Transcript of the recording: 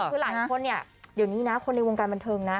คือหลายคนเนี่ยเดี๋ยวนี้นะคนในวงการบันเทิงนะ